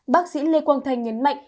bác sĩ lê quang thành nhấn mạnh